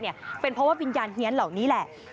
เป็นเพราะว่าวิญญาณเฮียนเหล่านี้แหละ